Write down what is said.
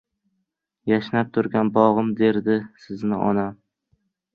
Yashnab turgan bog‘im derdi sizni onam